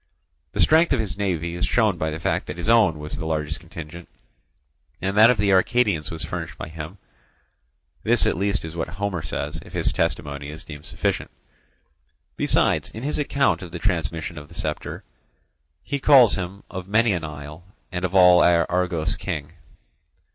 The strength of his navy is shown by the fact that his own was the largest contingent, and that of the Arcadians was furnished by him; this at least is what Homer says, if his testimony is deemed sufficient. Besides, in his account of the transmission of the sceptre, he calls him Of many an isle, and of all Argos king.